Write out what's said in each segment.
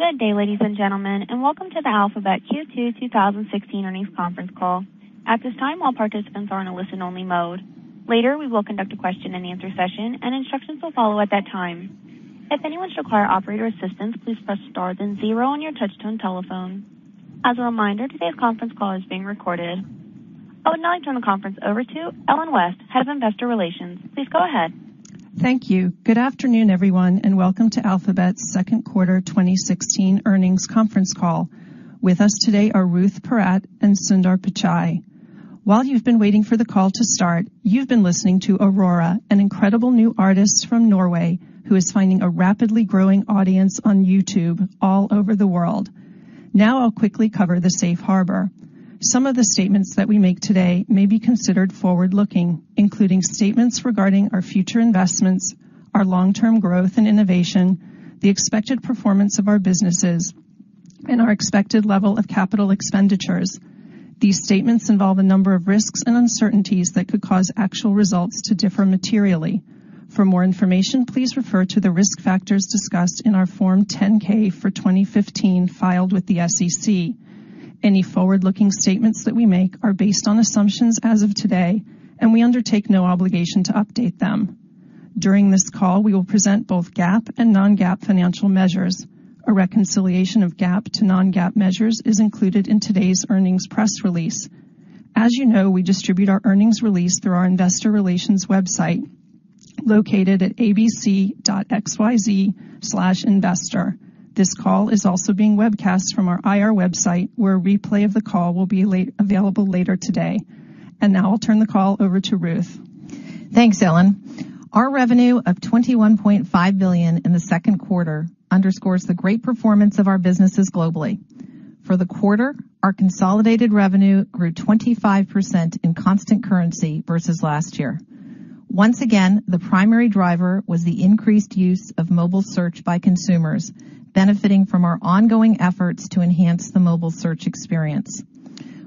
Good day, ladies and gentlemen, and welcome to the Alphabet Q2 2016 Earnings Conference Call. At this time, all participants are in a listen-only mode. Later, we will conduct a question and answer session, and instructions will follow at that time. If anyone should require operator assistance, please press star then zero on your touch-tone telephone. As a reminder, today's conference call is being recorded. I would now like to turn the conference over to Ellen West, Head of Investor Relations. Please go ahead. Thank you. Good afternoon, everyone, and welcome to Alphabet's Second Quarter 2016 Earnings Conference Call. With us today are Ruth Porat and Sundar Pichai. While you've been waiting for the call to start, you've been listening to Aurora, an incredible new artist from Norway who is finding a rapidly growing audience on YouTube all over the world. Now, I'll quickly cover the safe harbor. Some of the statements that we make today may be considered forward-looking, including statements regarding our future investments, our long-term growth and innovation, the expected performance of our businesses, and our expected level of capital expenditures. These statements involve a number of risks and uncertainties that could cause actual results to differ materially. For more information, please refer to the risk factors discussed in our Form 10-K for 2015 filed with the SEC. Any forward-looking statements that we make are based on assumptions as of today, and we undertake no obligation to update them. During this call, we will present both GAAP and non-GAAP financial measures. A reconciliation of GAAP to non-GAAP measures is included in today's earnings press release. As you know, we distribute our earnings release through our investor relations website located at abc.xyz/investor. This call is also being webcast from our IR website, where a replay of the call will be available later today. And now, I'll turn the call over to Ruth. Thanks, Ellen. Our revenue of $21.5 billion in the second quarter underscores the great performance of our businesses globally. For the quarter, our consolidated revenue grew 25% in constant currency versus last year. Once again, the primary driver was the increased use of mobile search by consumers, benefiting from our ongoing efforts to enhance the mobile search experience.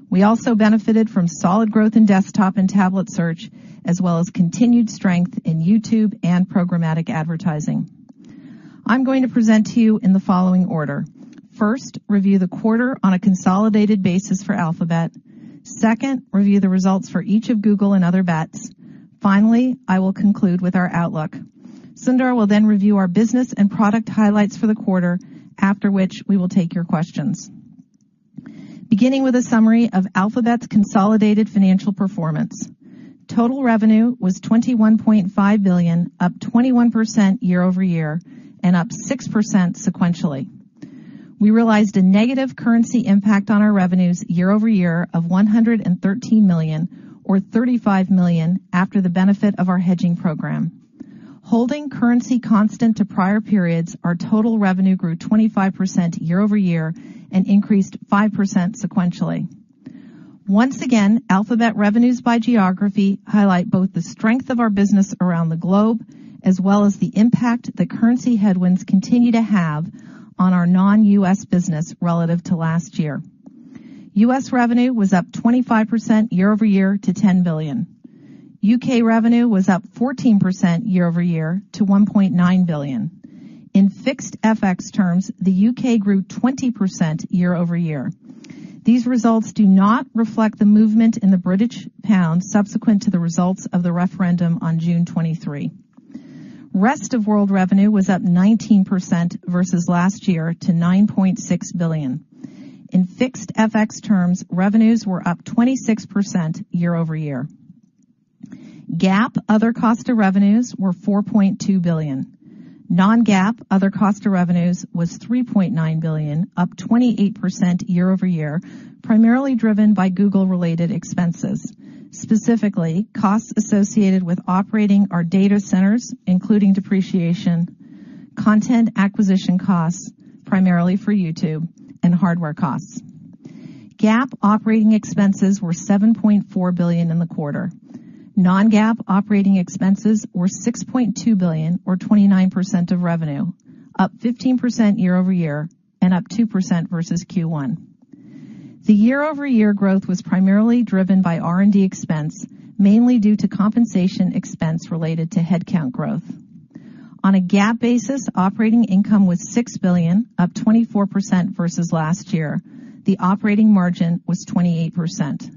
We also benefited from solid growth in desktop and tablet search, as well as continued strength in YouTube and programmatic advertising. I'm going to present to you in the following order. First, review the quarter on a consolidated basis for Alphabet. Second, review the results for each of Google and Other Bets. Finally, I will conclude with our outlook. Sundar will then review our business and product highlights for the quarter, after which we will take your questions. Beginning with a summary of Alphabet's consolidated financial performance, total revenue was $21.5 billion, up 21% YoY and up 6% sequentially. We realized a negative currency impact on our revenues YoY of $113 million, or $35 million, after the benefit of our hedging program. Holding currency constant to prior periods, our total revenue grew 25% YoY and increased 5% sequentially. Once again, Alphabet revenues by geography highlight both the strength of our business around the globe as well as the impact that currency headwinds continue to have on our non-U.S. business relative to last year. U.S. revenue was up 25% YoY to $10 billion. U.K. revenue was up 14% year over year to $1.9 billion. In fixed FX terms, the U.K. grew 20% YoY. These results do not reflect the movement in the British pound subsequent to the results of the referendum on June 23. Rest of world revenue was up 19% versus last year to $9.6 billion. In fixed FX terms, revenues were up 26% YoY. GAAP other cost of revenues were $4.2 billion. Non-GAAP other cost of revenues was $3.9 billion, up 28% YoY, primarily driven by Google-related expenses. Specifically, costs associated with operating our data centers, including depreciation, content acquisition costs, primarily for YouTube, and hardware costs. GAAP operating expenses were $7.4 billion in the quarter. Non-GAAP operating expenses were $6.2 billion, or 29% of revenue, up 15% YoY and up 2% versus Q1. The YoY growth was primarily driven by R&D expense, mainly due to compensation expense related to headcount growth. On a GAAP basis, operating income was $6 billion, up 24% versus last year. The operating margin was 28%.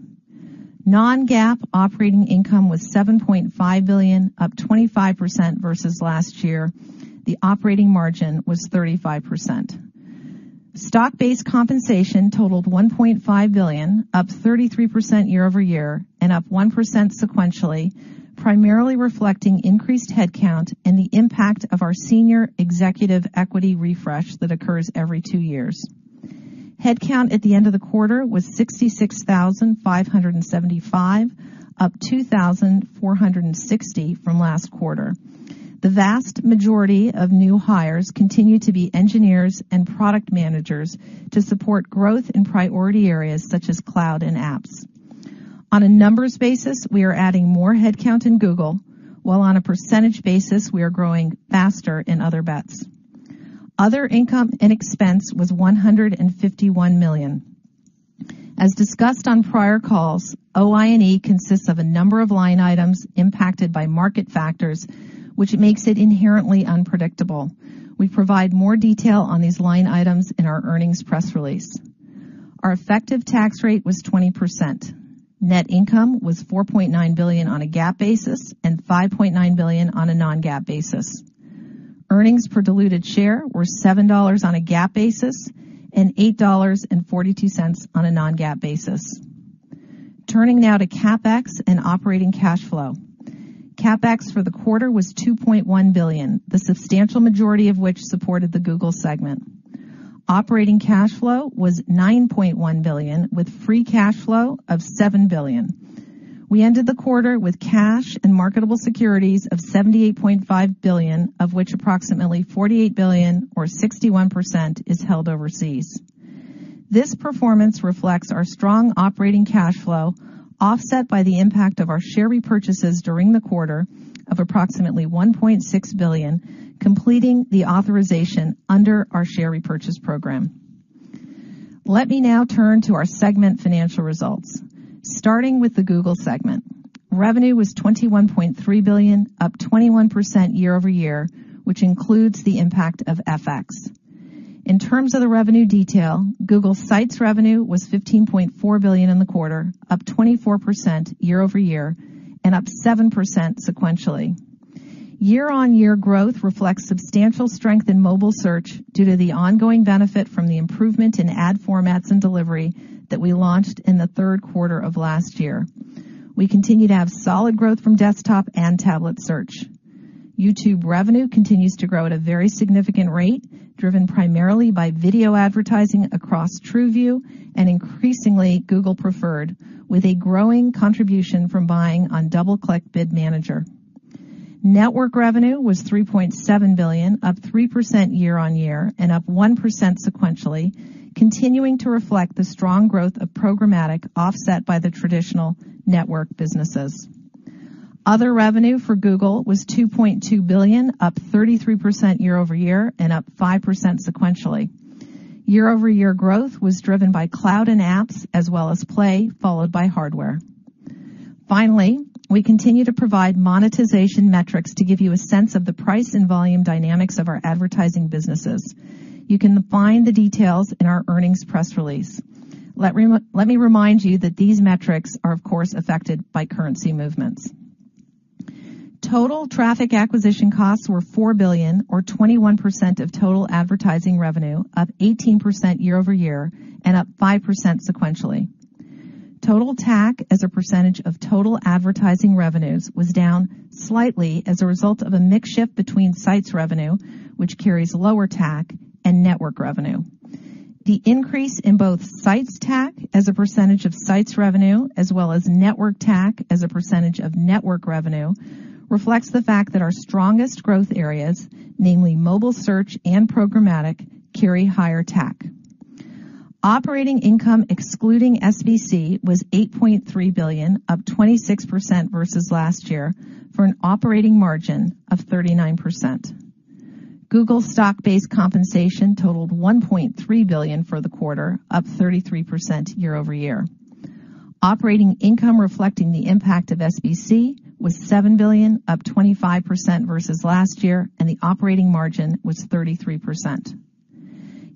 Non-GAAP operating income was $7.5 billion, up 25% versus last year. The operating margin was 35%. Stock-based compensation totaled $1.5 billion, up 33% YoY and up 1% sequentially, primarily reflecting increased headcount and the impact of our senior executive equity refresh that occurs every two years. Headcount at the end of the quarter was 66,575, up 2,460 from last quarter. The vast majority of new hires continue to be engineers and product managers to support growth in priority areas such as cloud and apps. On a numbers basis, we are adding more headcount in Google, while on a percentage basis, we are growing faster in Other Bets. Other income and expense was $151 million. As discussed on prior calls, OI&E consists of a number of line items impacted by market factors, which makes it inherently unpredictable. We provide more detail on these line items in our earnings press release. Our effective tax rate was 20%. Net income was $4.9 billion on a GAAP basis and $5.9 billion on a non-GAAP basis. Earnings per diluted share were $7 on a GAAP basis and $8.42 on a non-GAAP basis. Turning now to CapEx and operating cash flow. CapEx for the quarter was $2.1 billion, the substantial majority of which supported the Google segment. Operating cash flow was $9.1 billion, with free cash flow of $7 billion. We ended the quarter with cash and marketable securities of $78.5 billion, of which approximately $48 billion, or 61%, is held overseas. This performance reflects our strong operating cash flow, offset by the impact of our share repurchases during the quarter of approximately $1.6 billion, completing the authorization under our share repurchase program. Let me now turn to our segment financial results. Starting with the Google segment, revenue was $21.3 billion, up 21% YoY, which includes the impact of FX. In terms of the revenue detail, Google sites revenue was $15.4 billion in the quarter, up 24% YoY, and up 7% sequentially. YoY growth reflects substantial strength in mobile search due to the ongoing benefit from the improvement in ad formats and delivery that we launched in the third quarter of last year. We continue to have solid growth from desktop and tablet search. YouTube revenue continues to grow at a very significant rate, driven primarily by video advertising across TrueView and increasingly Google Preferred, with a growing contribution from buying on DoubleClick Bid Manager. Network revenue was $3.7 billion, up 3% YoY and up 1% sequentially, continuing to reflect the strong growth of programmatic offset by the traditional network businesses. Other revenue for Google was $2.2 billion, up 33% YoY and up 5% sequentially. YoY growth was driven by cloud and apps, as well as Play, followed by hardware. Finally, we continue to provide monetization metrics to give you a sense of the price and volume dynamics of our advertising businesses. You can find the details in our earnings press release. Let me remind you that these metrics are, of course, affected by currency movements. Total traffic acquisition costs were $4 billion, or 21% of total advertising revenue, up 18% YoY and up 5% sequentially. Total TAC as a percentage of total advertising revenues was down slightly as a result of a mixed shift between sites revenue, which carries lower TAC, and network revenue. The increase in both sites TAC as a percentage of sites revenue, as well as network TAC as a percentage of network revenue, reflects the fact that our strongest growth areas, namely mobile search and programmatic, carry higher TAC. Operating income excluding SBC was $8.3 billion, up 26% versus last year, for an operating margin of 39%. Google stock-based compensation totaled $1.3 billion for the quarter, up 33% YoY. Operating income reflecting the impact of SBC was $7 billion, up 25% versus last year, and the operating margin was 33%.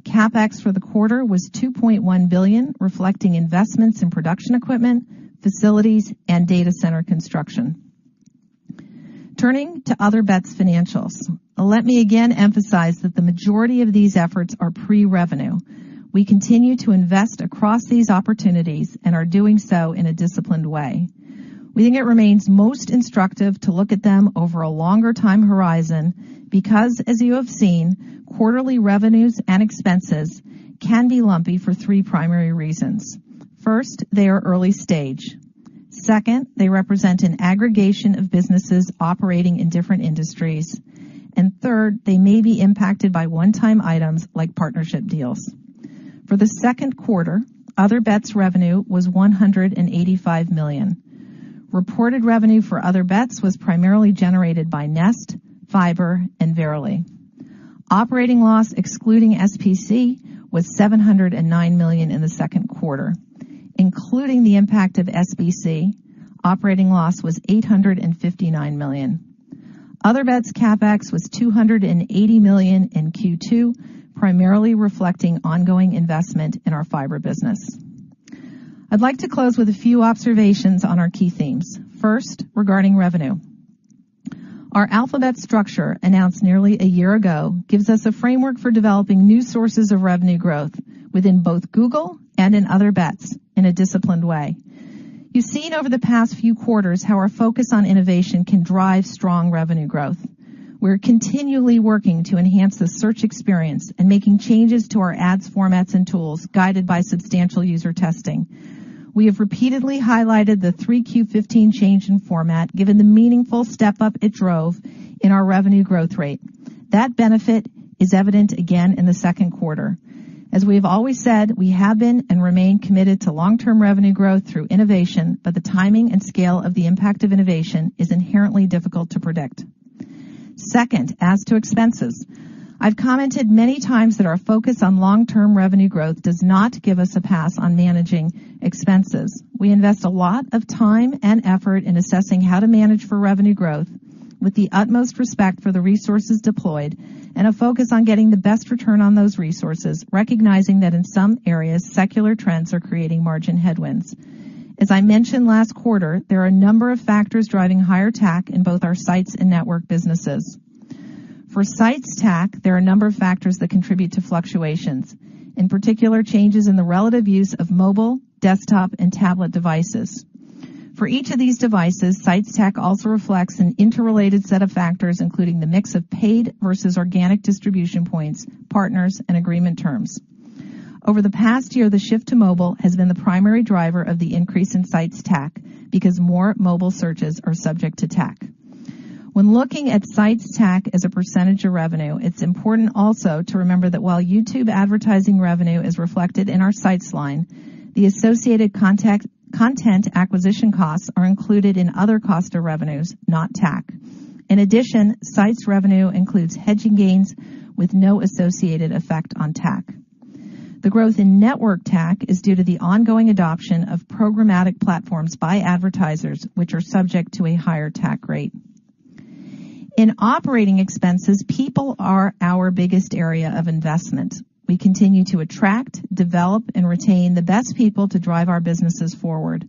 CapEx for the quarter was $2.1 billion, reflecting investments in production equipment, facilities, and data center construction. Turning to Other Bets financials, let me again emphasize that the majority of these efforts are pre-revenue. We continue to invest across these opportunities and are doing so in a disciplined way. We think it remains most instructive to look at them over a longer time horizon because, as you have seen, quarterly revenues and expenses can be lumpy for three primary reasons. First, they are early stage. Second, they represent an aggregation of businesses operating in different industries. And third, they may be impacted by one-time items like partnership deals. For the second quarter, Other Bets revenue was $185 million. Reported revenue for Other Bets was primarily generated by Nest, Fiber, and Verily. Operating loss excluding SBC was $709 million in the second quarter. Including the impact of SBC, operating loss was $859 million. Other Bets CapEx was $280 million in Q2, primarily reflecting ongoing investment in our Fiber business. I'd like to close with a few observations on our key themes. First, regarding revenue. Our Alphabet structure announced nearly a year ago gives us a framework for developing new sources of revenue growth within both Google and in Other Bets in a disciplined way. You've seen over the past few quarters how our focus on innovation can drive strong revenue growth. We're continually working to enhance the search experience and making changes to our ads formats and tools guided by substantial user testing. We have repeatedly highlighted the 3Q15 change in format given the meaningful step-up it drove in our revenue growth rate. That benefit is evident again in the second quarter. As we have always said, we have been and remain committed to long-term revenue growth through innovation, but the timing and scale of the impact of innovation is inherently difficult to predict. Second, as to expenses. I've commented many times that our focus on long-term revenue growth does not give us a pass on managing expenses. We invest a lot of time and effort in assessing how to manage for revenue growth with the utmost respect for the resources deployed and a focus on getting the best return on those resources, recognizing that in some areas, secular trends are creating margin headwinds. As I mentioned last quarter, there are a number of factors driving higher TAC in both our sites and network businesses. For sites TAC, there are a number of factors that contribute to fluctuations, in particular changes in the relative use of mobile, desktop, and tablet devices. For each of these devices, sites TAC also reflects an interrelated set of factors, including the mix of paid versus organic distribution points, partners, and agreement terms. Over the past year, the shift to mobile has been the primary driver of the increase in sites TAC because more mobile searches are subject to TAC. When looking at sites TAC as a percentage of revenue, it's important also to remember that while YouTube advertising revenue is reflected in our sites line, the associated content acquisition costs are included in other cost of revenues, not TAC. In addition, sites revenue includes hedging gains with no associated effect on TAC. The growth in network TAC is due to the ongoing adoption of programmatic platforms by advertisers, which are subject to a higher TAC rate. In operating expenses, people are our biggest area of investment. We continue to attract, develop, and retain the best people to drive our businesses forward.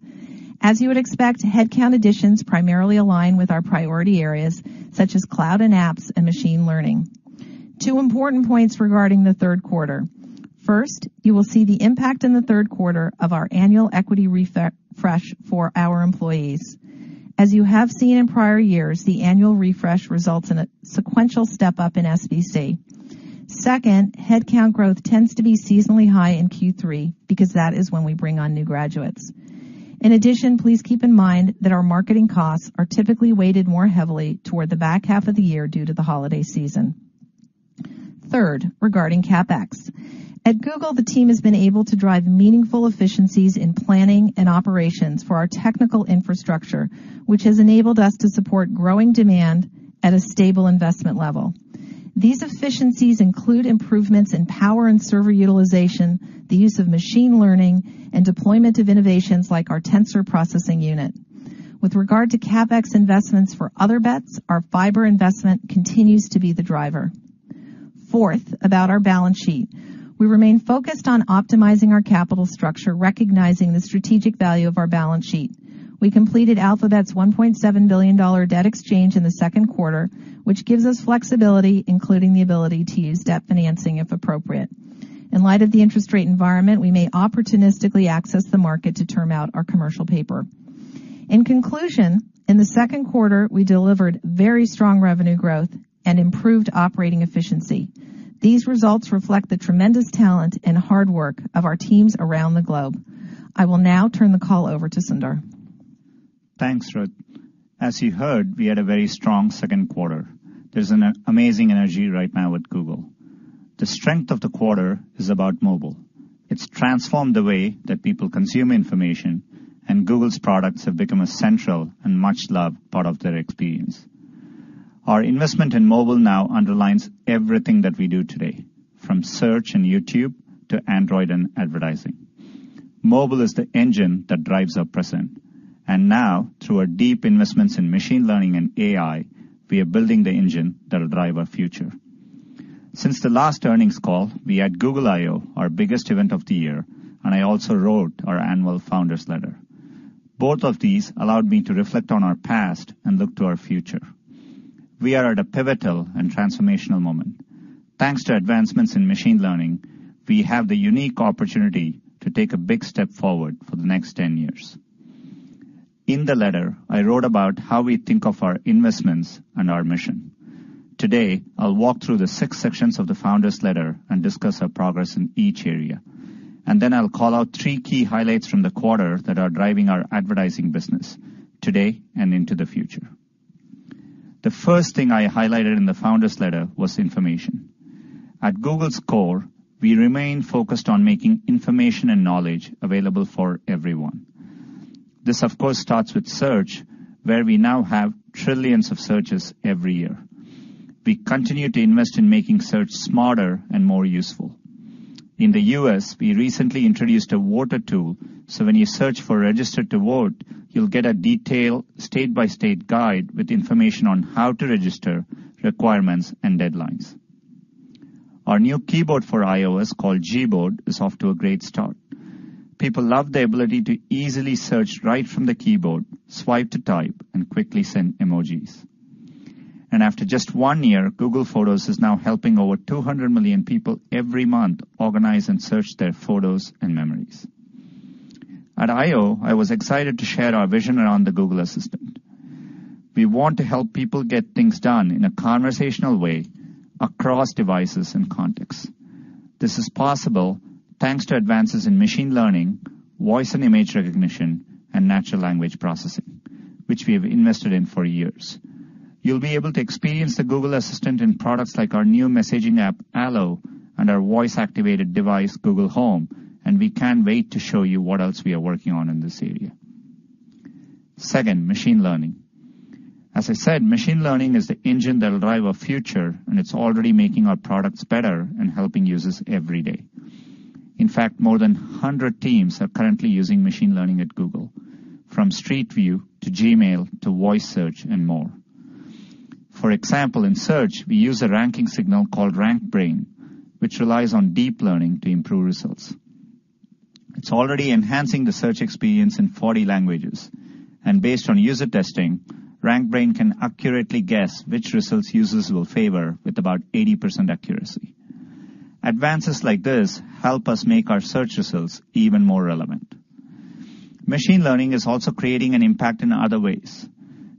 As you would expect, headcount additions primarily align with our priority areas such as cloud and apps and machine learning. Two important points regarding the third quarter. First, you will see the impact in the third quarter of our annual equity refresh for our employees. As you have seen in prior years, the annual refresh results in a sequential step-up in SBC. Second, headcount growth tends to be seasonally high in Q3 because that is when we bring on new graduates. In addition, please keep in mind that our marketing costs are typically weighted more heavily toward the back half of the year due to the holiday season. Third, regarding CapEx. At Google, the team has been able to drive meaningful efficiencies in planning and operations for our technical infrastructure, which has enabled us to support growing demand at a stable investment level. These efficiencies include improvements in power and server utilization, the use of machine learning, and deployment of innovations like our Tensor Processing Unit. With regard to CapEx investments for Other Bets, our Fiber investment continues to be the driver. Fourth, about our balance sheet. We remain focused on optimizing our capital structure, recognizing the strategic value of our balance sheet. We completed Alphabet's $1.7 billion debt exchange in the second quarter, which gives us flexibility, including the ability to use debt financing if appropriate. In light of the interest rate environment, we may opportunistically access the market to term out our commercial paper. In conclusion, in the second quarter, we delivered very strong revenue growth and improved operating efficiency. These results reflect the tremendous talent and hard work of our teams around the globe. I will now turn the call over to Sundar. Thanks, Ruth. As you heard, we had a very strong second quarter. There's an amazing energy right now at Google. The strength of the quarter is about mobile. It's transformed the way that people consume information, and Google's products have become a central and much-loved part of their experience. Our investment in mobile now underlines everything that we do today, from search and YouTube to Android and advertising. Mobile is the engine that drives our present. And now, through our deep investments in machine learning and AI, we are building the engine that will drive our future. Since the last earnings call, we had Google I/O, our biggest event of the year, and I also wrote our annual Founders' Letter. Both of these allowed me to reflect on our past and look to our future. We are at a pivotal and transformational moment. Thanks to advancements in machine learning, we have the unique opportunity to take a big step forward for the next 10 years. In the letter, I wrote about how we think of our investments and our mission. Today, I'll walk through the six sections of the Founders' Letter and discuss our progress in each area, and then I'll call out three key highlights from the quarter that are driving our advertising business today and into the future. The first thing I highlighted in the Founders' Letter was information. At Google's core, we remain focused on making information and knowledge available for everyone. This, of course, starts with search, where we now have trillions of searches every year. We continue to invest in making search smarter and more useful. In the U.S., we recently introduced a voter tool, so when you search for "register to vote," you'll get a detailed state-by-state guide with information on how to register, requirements, and deadlines. Our new keyboard for iOS, called Gboard, is off to a great start. People love the ability to easily search right from the keyboard, swipe to type, and quickly send emojis. And after just one year, Google Photos is now helping over 200 million people every month organize and search their photos and memories. At I/O, I was excited to share our vision around the Google Assistant. We want to help people get things done in a conversational way across devices and contexts. This is possible thanks to advances in machine learning, voice and image recognition, and natural language processing, which we have invested in for years. You'll be able to experience the Google Assistant in products like our new messaging app, Allo, and our voice-activated device, Google Home, and we can't wait to show you what else we are working on in this area. Second, machine learning. As I said, machine learning is the engine that will drive our future, and it's already making our products better and helping users every day. In fact, more than 100 teams are currently using machine learning at Google, from Street View to Gmail to voice search and more. For example, in search, we use a ranking signal called RankBrain, which relies on deep learning to improve results. It's already enhancing the search experience in 40 languages. And based on user testing, RankBrain can accurately guess which results users will favor with about 80% accuracy. Advances like this help us make our search results even more relevant. Machine learning is also creating an impact in other ways.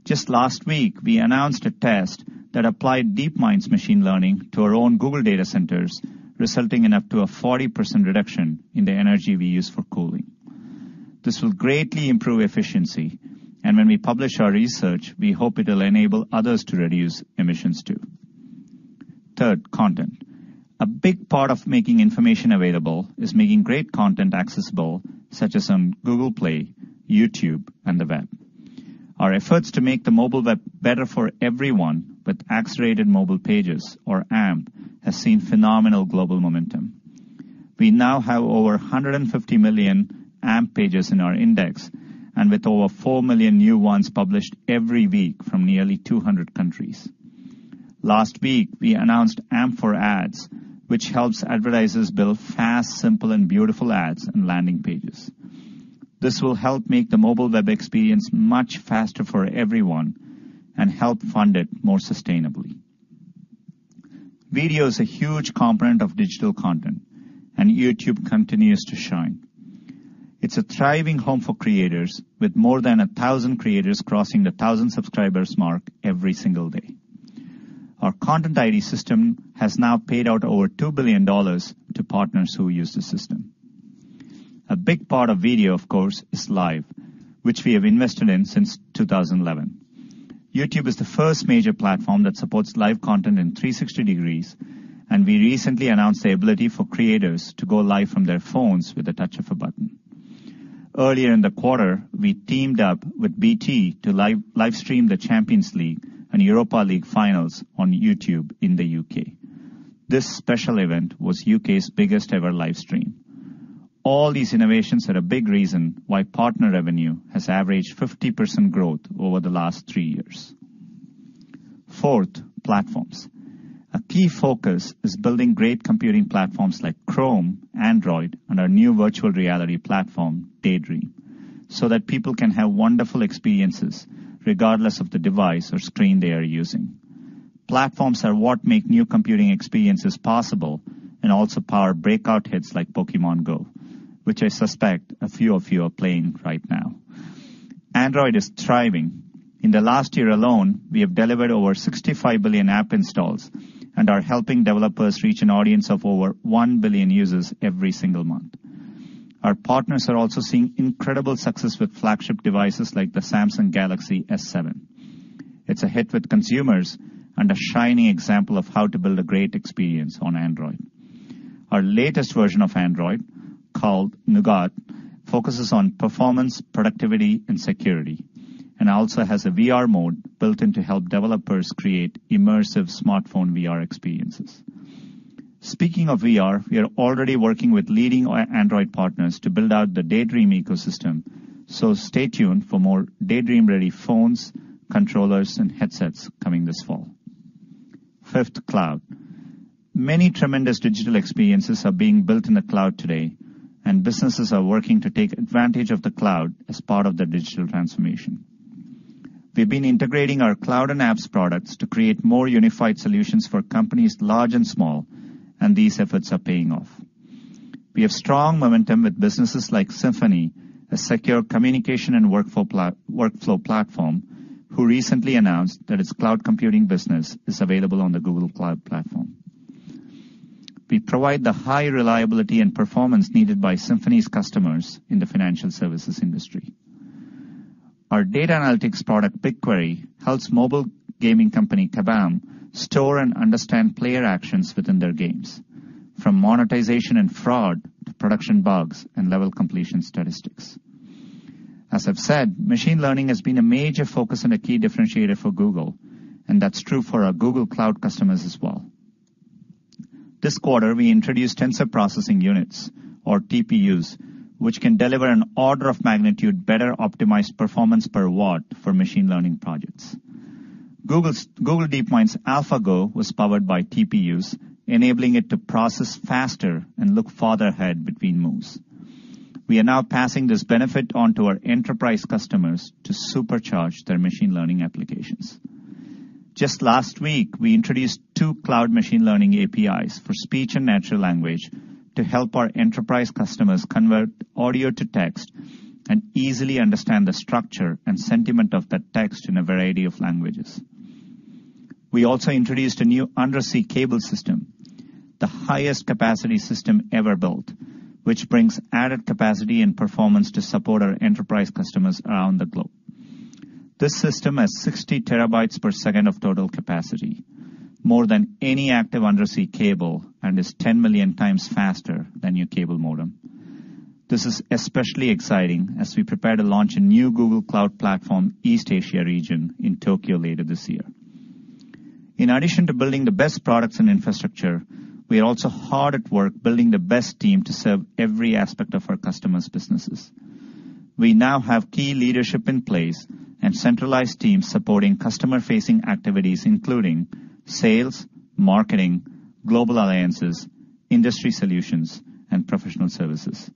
Just last week, we announced a test that applied DeepMind's machine learning to our own Google data centers, resulting in up to a 40% reduction in the energy we use for cooling. This will greatly improve efficiency. And when we publish our research, we hope it will enable others to reduce emissions too. Third, content. A big part of making information available is making great content accessible, such as on Google Play, YouTube, and the web. Our efforts to make the mobile web better for everyone with Accelerated Mobile Pages, or AMP, have seen phenomenal global momentum. We now have over 150 million AMP pages in our index, and with over 4 million new ones published every week from nearly 200 countries. Last week, we announced AMP for Ads, which helps advertisers build fast, simple, and beautiful ads and landing pages. This will help make the mobile web experience much faster for everyone and help fund it more sustainably. Video is a huge component of digital content, and YouTube continues to shine. It's a thriving home for creators, with more than 1,000 creators crossing the 1,000 subscribers mark every single day. Our Content ID system has now paid out over $2 billion to partners who use the system. A big part of video, of course, is live, which we have invested in since 2011. YouTube is the first major platform that supports live content in 360 degrees, and we recently announced the ability for creators to go live from their phones with the touch of a button. Earlier in the quarter, we teamed up with BT to livestream the Champions League and Europa League finals on YouTube in the U.K. This special event was U.K.'s biggest ever livestream. All these innovations are a big reason why partner revenue has averaged 50% growth over the last three years. Fourth, platforms. A key focus is building great computing platforms like Chrome, Android, and our new virtual reality platform, Daydream, so that people can have wonderful experiences regardless of the device or screen they are using. Platforms are what make new computing experiences possible and also power breakout hits like Pokémon Go, which I suspect a few of you are playing right now. Android is thriving. In the last year alone, we have delivered over 65 billion app installs and are helping developers reach an audience of over one billion users every single month. Our partners are also seeing incredible success with flagship devices like the Samsung Galaxy S7. It's a hit with consumers and a shining example of how to build a great experience on Android. Our latest version of Android, called Nougat, focuses on performance, productivity, and security, and also has a VR mode built in to help developers create immersive smartphone VR experiences. Speaking of VR, we are already working with leading Android partners to build out the Daydream ecosystem, so stay tuned for more Daydream-ready phones, controllers, and headsets coming this fall. Fifth, cloud. Many tremendous digital experiences are being built in the cloud today, and businesses are working to take advantage of the cloud as part of their digital transformation. We've been integrating our cloud and apps products to create more unified solutions for companies large and small, and these efforts are paying off. We have strong momentum with businesses like Symphony, a secure communication and workflow platform, who recently announced that its cloud computing business is available on the Google Cloud Platform. We provide the high reliability and performance needed by Symphony's customers in the financial services industry. Our data analytics product, BigQuery, helps mobile gaming company Kabam store and understand player actions within their games, from monetization and fraud to production bugs and level completion statistics. As I've said, machine learning has been a major focus and a key differentiator for Google, and that's true for our Google Cloud customers as well. This quarter, we introduced Tensor Processing Units, or TPUs, which can deliver an order of magnitude better optimized performance per watt for machine learning projects. Google DeepMind's AlphaGo was powered by TPUs, enabling it to process faster and look farther ahead between moves. We are now passing this benefit on to our enterprise customers to supercharge their machine learning applications. Just last week, we introduced two cloud machine learning APIs for speech and natural language to help our enterprise customers convert audio to text and easily understand the structure and sentiment of that text in a variety of languages. We also introduced a new undersea cable system, the highest capacity system ever built, which brings added capacity and performance to support our enterprise customers around the globe. This system has 60 TBps of total capacity, more than any active undersea cable, and is 10 million times faster than your cable modem. This is especially exciting as we prepare to launch a new Google Cloud Platform East Asia Region in Tokyo later this year. In addition to building the best products and infrastructure, we are also hard at work building the best team to serve every aspect of our customers' businesses. We now have key leadership in place and centralized teams supporting customer-facing activities, including sales, marketing, global alliances, industry solutions, and professional services.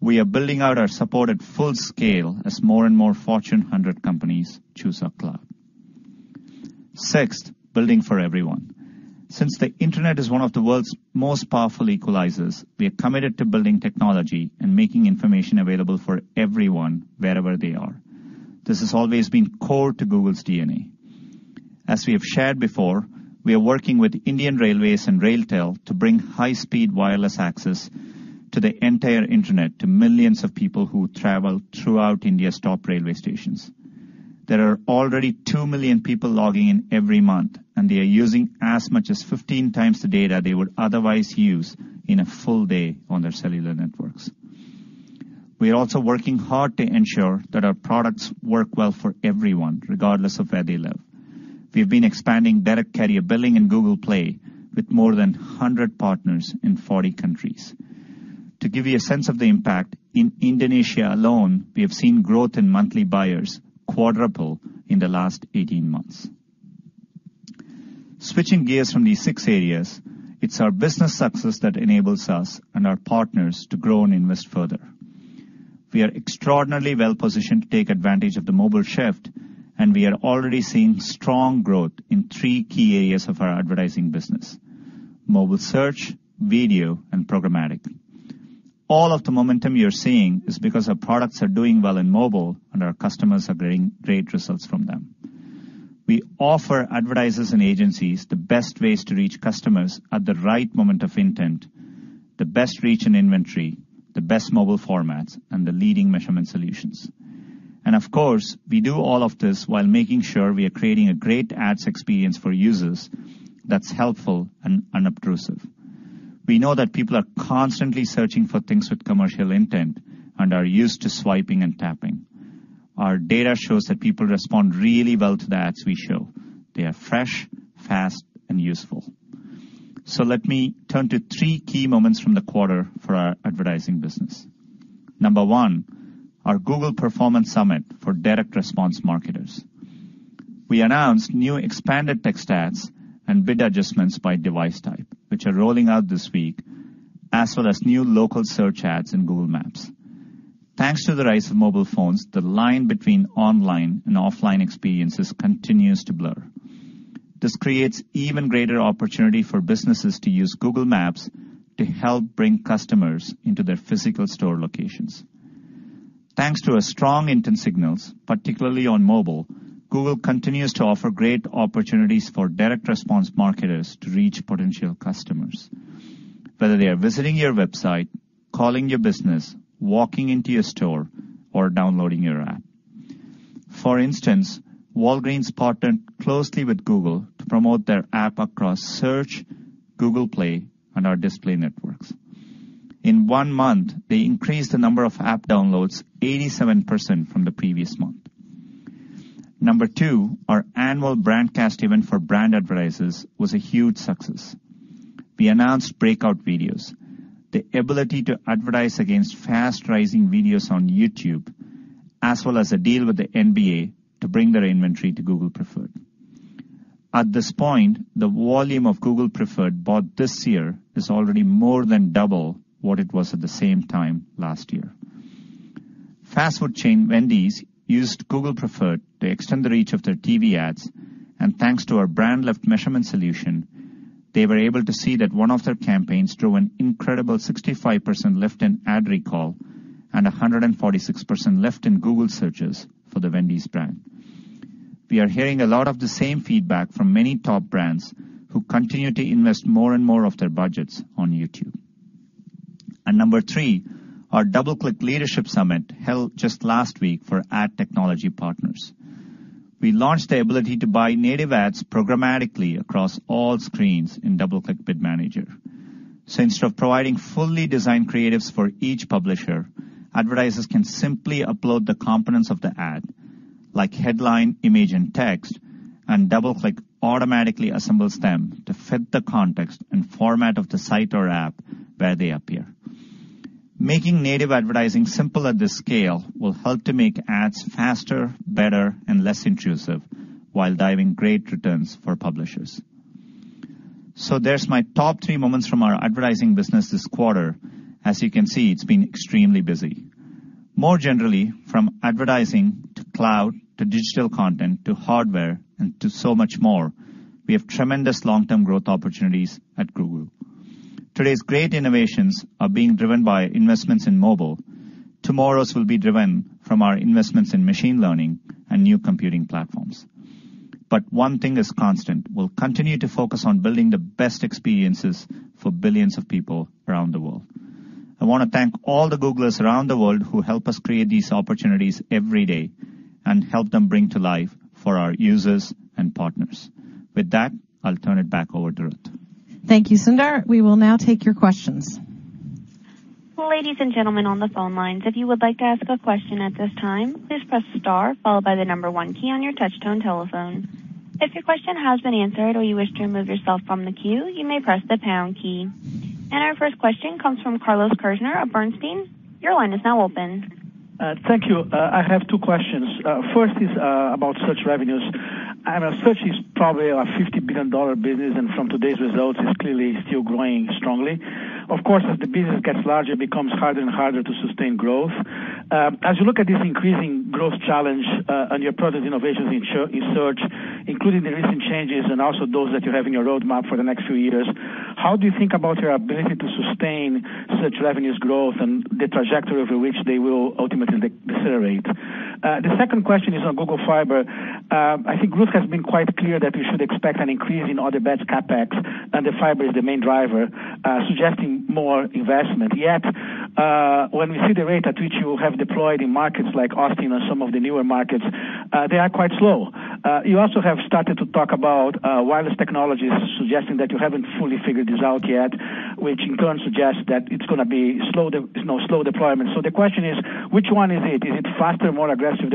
We are building out our support at full scale as more and more Fortune 100 companies choose our cloud. Sixth, building for everyone. Since the internet is one of the world's most powerful equalizers, we are committed to building technology and making information available for everyone wherever they are. This has always been core to Google's DNA. As we have shared before, we are working with Indian Railways and RailTel to bring high-speed wireless access to the entire internet to millions of people who travel throughout India's top railway stations. There are already two million people logging in every month, and they are using as much as 15 times the data they would otherwise use in a full day on their cellular networks. We are also working hard to ensure that our products work well for everyone, regardless of where they live. We have been expanding direct carrier billing and Google Play with more than 100 partners in 40 countries. To give you a sense of the impact, in Indonesia alone, we have seen growth in monthly buyers quadruple in the last 18 months. Switching gears from these six areas, it's our business success that enables us and our partners to grow and invest further. We are extraordinarily well-positioned to take advantage of the mobile shift, and we are already seeing strong growth in three key areas of our advertising business: mobile search, video, and programmatic. All of the momentum you're seeing is because our products are doing well in mobile, and our customers are getting great results from them. We offer advertisers and agencies the best ways to reach customers at the right moment of intent, the best reach and inventory, the best mobile formats, and the leading measurement solutions. And of course, we do all of this while making sure we are creating a great ads experience for users that's helpful and unobtrusive. We know that people are constantly searching for things with commercial intent and are used to swiping and tapping. Our data shows that people respond really well to the ads we show. They are fresh, fast, and useful. So let me turn to three key moments from the quarter for our advertising business. Number one, our Google Performance Summit for direct response marketers. We announced new Expanded Text Ads and bid adjustments by device type, which are rolling out this week, as well as new Local Search Ads in Google Maps. Thanks to the rise of mobile phones, the line between online and offline experiences continues to blur. This creates even greater opportunity for businesses to use Google Maps to help bring customers into their physical store locations. Thanks to our strong intent signals, particularly on mobile, Google continues to offer great opportunities for direct response marketers to reach potential customers, whether they are visiting your website, calling your business, walking into your store, or downloading your app. For instance, Walgreens partnered closely with Google to promote their app across Search, Google Play, and our display networks. In one month, they increased the number of app downloads 87% from the previous month. Number two, our annual Brandcast event for brand advertisers was a huge success. We announced Breakout Videos, the ability to advertise against fast-rising videos on YouTube, as well as a deal with the NBA to bring their inventory to Google Preferred. At this point, the volume of Google Preferred bought this year is already more than double what it was at the same time last year. Fast-food chain Wendy's used Google Preferred to extend the reach of their TV ads, and thanks to our Brand Lift measurement solution, they were able to see that one of their campaigns drove an incredible 65% lift in ad recall and 146% lift in Google searches for the Wendy's brand. We are hearing a lot of the same feedback from many top brands who continue to invest more and more of their budgets on YouTube. And number three, our DoubleClick Leadership Summit held just last week for ad technology partners. We launched the ability to buy native ads programmatically across all screens in DoubleClick Bid Manager. Since providing fully designed creatives for each publisher, advertisers can simply upload the components of the ad, like headline, image, and text, and DoubleClick automatically assembles them to fit the context and format of the site or app where they appear. Making native advertising simple at this scale will help to make ads faster, better, and less intrusive while delivering great returns for publishers. So there's my top three moments from our advertising business this quarter. As you can see, it's been extremely busy. More generally, from advertising to cloud to digital content to hardware and to so much more, we have tremendous long-term growth opportunities at Google. Today's great innovations are being driven by investments in mobile. Tomorrow's will be driven from our investments in machine learning and new computing platforms. But one thing is constant. We'll continue to focus on building the best experiences for billions of people around the world. I want to thank all the Googlers around the world who help us create these opportunities every day and help them bring to life for our users and partners. With that, I'll turn it back over to Ruth. Thank you, Sundar. We will now take your questions. Ladies and gentlemen on the phone lines, if you would like to ask a question at this time, please press star followed by the number one key on your touch-tone telephone. If your question has been answered or you wish to remove yourself from the queue, you may press the pound key. And our first question comes from Carlos Kirjner of Bernstein. Your line is now open. Thank you. I have two questions. First is about search revenues. I mean, search is probably a $50 billion business, and from today's results, it's clearly still growing strongly. Of course, as the business gets larger, it becomes harder and harder to sustain growth. As you look at this increasing growth challenge and your projected innovations in search, including the recent changes and also those that you have in your roadmap for the next few years, how do you think about your ability to sustain such revenues' growth and the trajectory over which they will ultimately decelerate? The second question is on Google Fiber. I think Ruth has been quite clear that we should expect an increase in Other Bets CapEx, and Fiber is the main driver, suggesting more investment. Yet when we see the rate at which you have deployed in markets like Austin and some of the newer markets, they are quite slow. You also have started to talk about wireless technologies, suggesting that you haven't fully figured this out yet, which in turn suggests that it's going to be slow deployment. So the question is, which one is it? Is it faster, more aggressive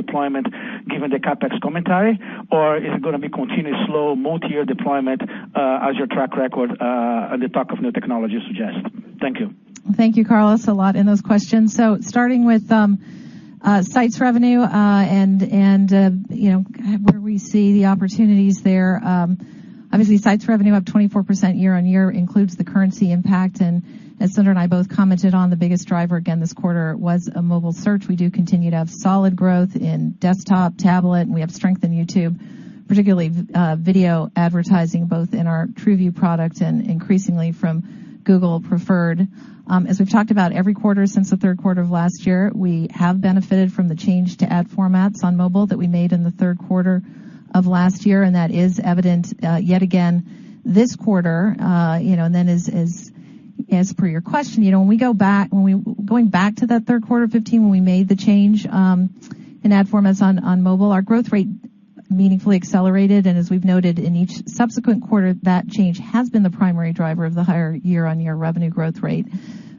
deployment given the CapEx commentary, or is it going to be continuous slow multi-year deployment as your track record and the talk of new technology suggests? Thank you. Thank you, Carlos, a lot in those questions. So starting with Search revenue and where we see the opportunities there, obviously Search revenue up 24% YoY includes the currency impact. And as Sundar and I both commented on, the biggest driver again this quarter was mobile search. We do continue to have solid growth in desktop, tablet, and we have strength in YouTube, particularly video advertising, both in our TrueView product and increasingly from Google Preferred. As we've talked about, every quarter since the third quarter of last year, we have benefited from the change to ad formats on mobile that we made in the third quarter of last year, and that is evident yet again this quarter. And then as per your question, when we go back, going back to that third quarter of 2015 when we made the change in ad formats on mobile, our growth rate meaningfully accelerated. And as we've noted in each subsequent quarter, that change has been the primary driver of the higher YoY revenue growth rate.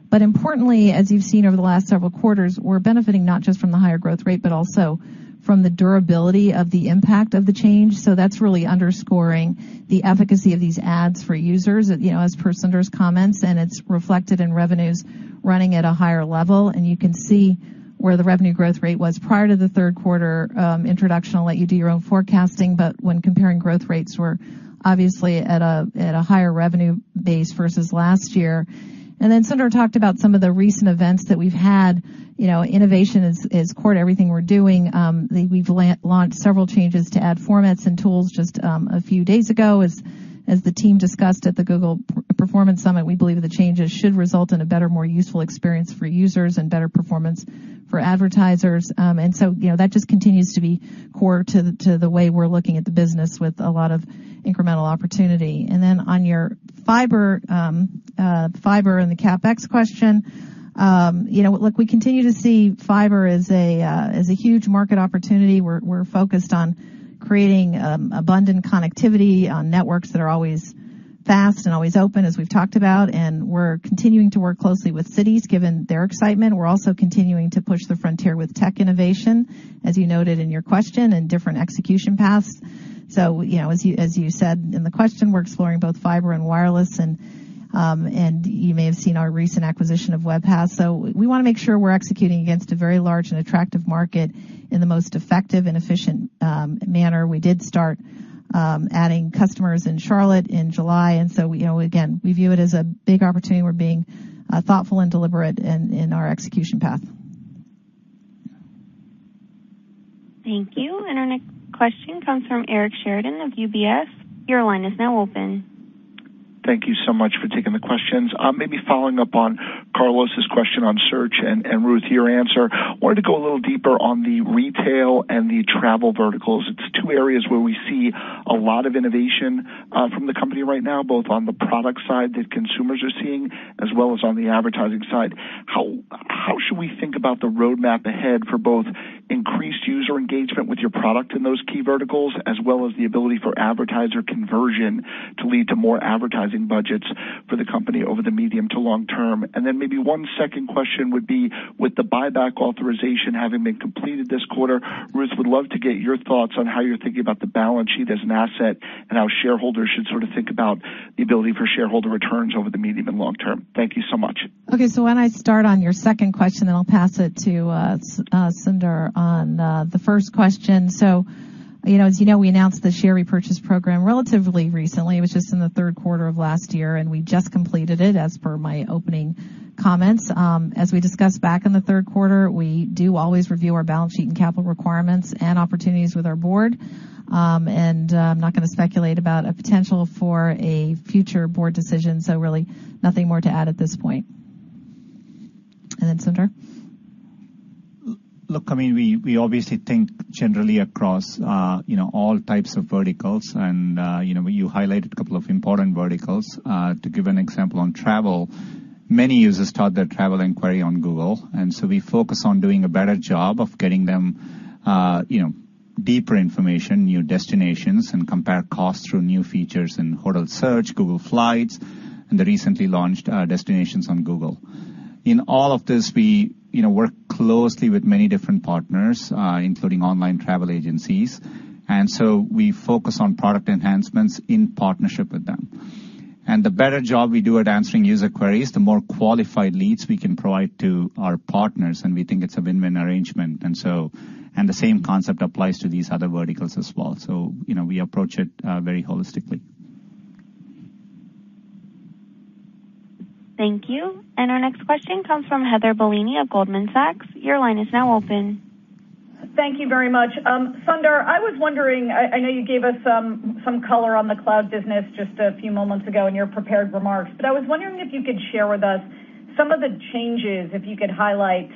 But importantly, as you've seen over the last several quarters, we're benefiting not just from the higher growth rate, but also from the durability of the impact of the change. So that's really underscoring the efficacy of these ads for users as per Sundar's comments, and it's reflected in revenues running at a higher level. And you can see where the revenue growth rate was prior to the third quarter introduction. I'll let you do your own forecasting, but when comparing growth rates, we're obviously at a higher revenue base versus last year. And then Sundar talked about some of the recent events that we've had. Innovation is core to everything we're doing. We've launched several changes to ad formats and tools just a few days ago. As the team discussed at the Google Performance Summit, we believe the changes should result in a better, more useful experience for users and better performance for advertisers. And so that just continues to be core to the way we're looking at the business with a lot of incremental opportunity. And then on your Fiber and the CapEx question, we continue to see Fiber as a huge market opportunity. We're focused on creating abundant connectivity on networks that are always fast and always open, as we've talked about. And we're continuing to work closely with cities given their excitement. We're also continuing to push the frontier with tech innovation, as you noted in your question, and different execution paths. So as you said in the question, we're exploring both Fiber and wireless, and you may have seen our recent acquisition of Webpass. So we want to make sure we're executing against a very large and attractive market in the most effective and efficient manner. We did start adding customers in Charlotte in July. And so again, we view it as a big opportunity. We're being thoughtful and deliberate in our execution path. Thank you. And our next question comes from Eric Sheridan of UBS. Your line is now open. Thank you so much for taking the questions. Maybe following up on Carlos' question on search and Ruth, your answer, I wanted to go a little deeper on the retail and the travel verticals. It's two areas where we see a lot of innovation from the company right now, both on the product side that consumers are seeing as well as on the advertising side. How should we think about the roadmap ahead for both increased user engagement with your product in those key verticals, as well as the ability for advertiser conversion to lead to more advertising budgets for the company over the medium to long term? And then maybe one second question would be, with the buyback authorization having been completed this quarter, Ruth would love to get your thoughts on how you're thinking about the balance sheet as an asset and how shareholders should sort of think about the ability for shareholder returns over the medium and long term. Thank you so much. Okay. So why don't I start on your second question, then I'll pass it to Sundar on the first question. So as you know, we announced the share repurchase program relatively recently. It was just in the third quarter of last year, and we just completed it as per my opening comments. As we discussed back in the third quarter, we do always review our balance sheet and capital requirements and opportunities with our board, and I'm not going to speculate about a potential for a future board decision. So really nothing more to add at this point, and then Sundar. Look, I mean, we obviously think generally across all types of verticals, and you highlighted a couple of important verticals. To give an example on travel, many users start their travel inquiry on Google. And so we focus on doing a better job of getting them deeper information, new destinations, and compare costs through new features in Hotel Search, Google Flights, and the recently launched Destinations on Google. In all of this, we work closely with many different partners, including online travel agencies. And so we focus on product enhancements in partnership with them. And the better job we do at answering user queries, the more qualified leads we can provide to our partners, and we think it's a win-win arrangement. And the same concept applies to these other verticals as well. So we approach it very holistically. Thank you. And our next question comes from Heather Bellini of Goldman Sachs. Your line is now open. Thank you very much. Sundar, I was wondering, I know you gave us some color on the cloud business just a few moments ago in your prepared remarks, but I was wondering if you could share with us some of the changes, if you could highlight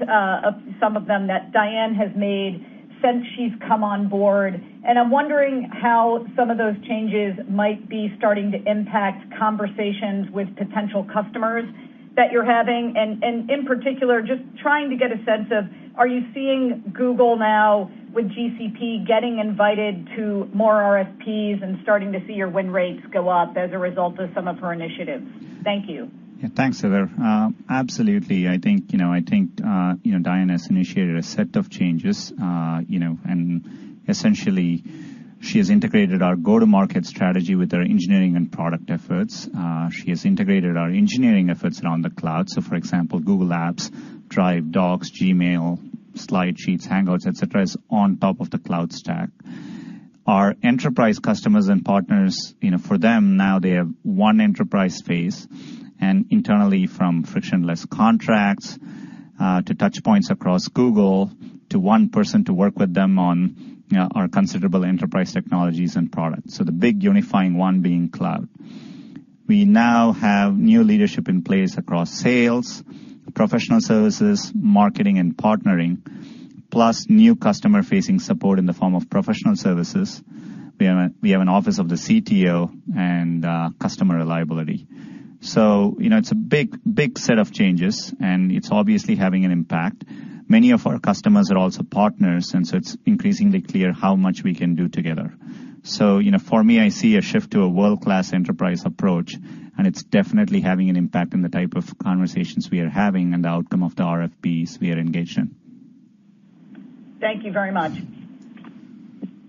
some of them that Diane has made since she's come on board. I'm wondering how some of those changes might be starting to impact conversations with potential customers that you're having. And in particular, just trying to get a sense of, are you seeing Google now with GCP getting invited to more RFPs and starting to see your win rates go up as a result of some of her initiatives? Thank you. Thanks, Heather. Absolutely. I think Diane has initiated a set of changes, and essentially she has integrated our go-to-market strategy with our engineering and product efforts. She has integrated our engineering efforts around the cloud. So for example, Google Apps, Drive, Docs, Gmail, Slides, Hangouts, etc., is on top of the cloud stack. Our enterprise customers and partners, for them now, they have one enterprise space. And internally, from frictionless contracts to touchpoints across Google to one person to work with them on our considerable enterprise technologies and products. So the big unifying one being cloud. We now have new leadership in place across sales, professional services, marketing, and partnering, plus new customer-facing support in the form of professional services. We have an office of the CTO and customer reliability. So it's a big set of changes, and it's obviously having an impact. Many of our customers are also partners, and so it's increasingly clear how much we can do together. So for me, I see a shift to a world-class enterprise approach, and it's definitely having an impact in the type of conversations we are having and the outcome of the RFPs we are engaged in. Thank you very much.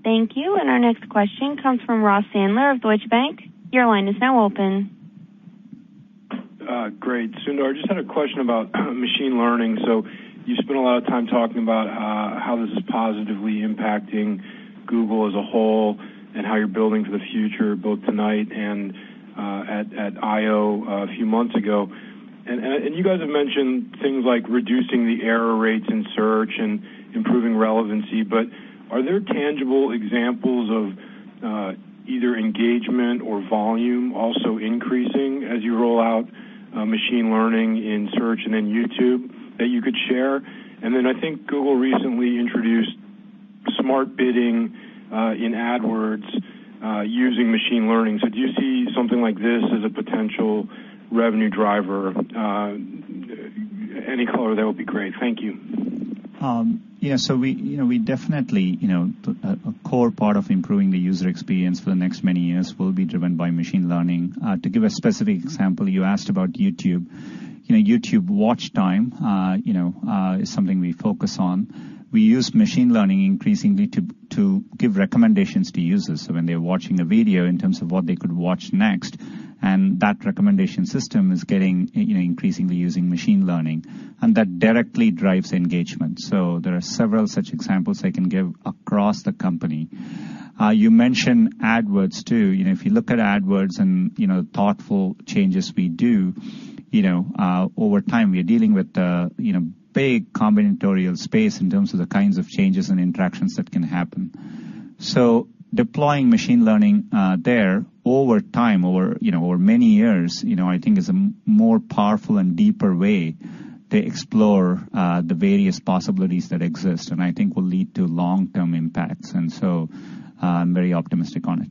Thank you. And our next question comes from Ross Sandler of Deutsche Bank. Your line is now open. Great. Sundar, I just had a question about machine learning. So you spent a lot of time talking about how this is positively impacting Google as a whole and how you're building for the future, both tonight and at I/O a few months ago. And you guys have mentioned things like reducing the error rates in search and improving relevancy, but are there tangible examples of either engagement or volume also increasing as you roll out machine learning in search and in YouTube that you could share? And then I think Google recently introduced Smart Bidding in AdWords using machine learning. So do you see something like this as a potential revenue driver? Any color that would be great. Thank you. Yeah. So we definitely a core part of improving the user experience for the next many years will be driven by machine learning. To give a specific example, you asked about YouTube. YouTube watch time is something we focus on. We use machine learning increasingly to give recommendations to users when they're watching a video in terms of what they could watch next, and that recommendation system is getting increasingly using machine learning, and that directly drives engagement, so there are several such examples I can give across the company. You mentioned AdWords too. If you look at AdWords and the thoughtful changes we do, over time we are dealing with a big combinatorial space in terms of the kinds of changes and interactions that can happen, so deploying machine learning there over time, over many years, I think is a more powerful and deeper way to explore the various possibilities that exist and I think will lead to long-term impacts, and so I'm very optimistic on it.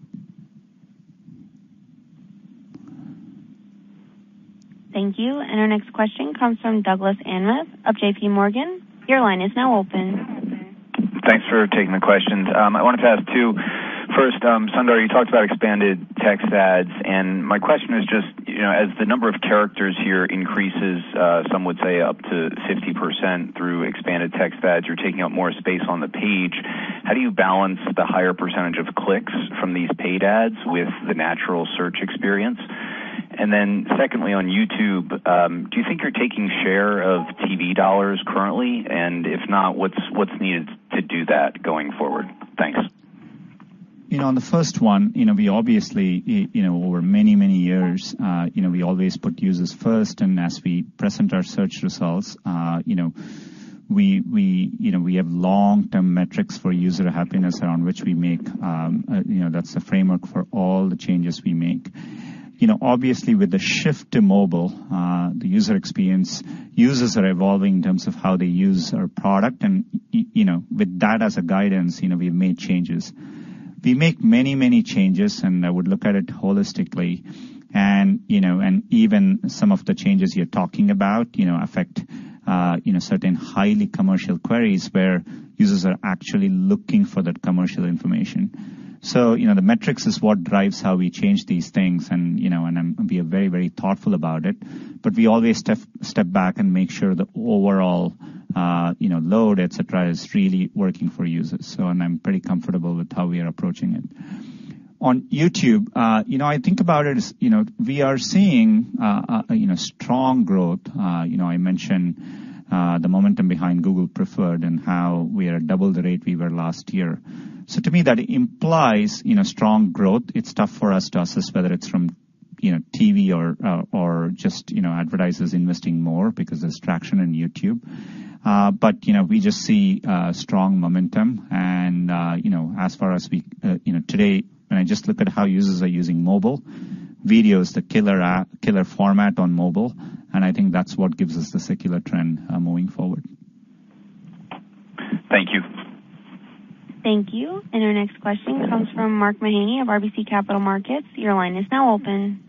Thank you, and our next question comes from Douglas Anmuth of JPMorgan. Your line is now open. Thanks for taking the questions. I wanted to ask too, first, Sundar, you talked about expanded text ads. And my question is just, as the number of characters here increases, some would say up to 50% through expanded text ads, you're taking up more space on the page. How do you balance the higher percentage of clicks from these paid ads with the natural search experience? And then secondly, on YouTube, do you think you're taking share of TV dollars currently? And if not, what's needed to do that going forward? Thanks. On the first one, we obviously, over many, many years, we always put users first. And as we present our search results, we have long-term metrics for user happiness around which we make. That's the framework for all the changes we make. Obviously, with the shift to mobile, the user experience, users are evolving in terms of how they use our product. And with that as a guidance, we've made changes. We make many, many changes, and I would look at it holistically. And even some of the changes you're talking about affect certain highly commercial queries where users are actually looking for that commercial information. So the metrics is what drives how we change these things, and we are very, very thoughtful about it. But we always step back and make sure the overall load, etc., is really working for users. And I'm pretty comfortable with how we are approaching it. On YouTube, I think about it as we are seeing strong growth. I mentioned the momentum behind Google Preferred and how we are at double the rate we were last year. So to me, that implies strong growth. It's tough for us to assess whether it's from TV or just advertisers investing more because there's traction in YouTube. But we just see strong momentum. And as far as today, when I just look at how users are using mobile, video is the killer format on mobile. And I think that's what gives us the secular trend moving forward. Thank you. Thank you. And our next question comes from Mark Mahaney of RBC Capital Markets. Your line is now open.